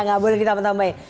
ya gak boleh ditambah tambah ya